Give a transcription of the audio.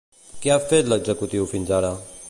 Què ha fet l'executiu fins ara?